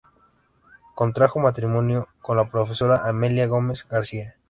Contrajo matrimonio con la profesora Amelia Gómez García.